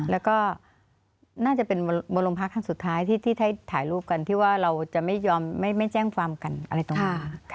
แล้วก็น่าจะเป็นบนโรงพักครั้งสุดท้ายที่ได้ถ่ายรูปกันที่ว่าเราจะไม่ยอมไม่แจ้งความกันอะไรตรงนี้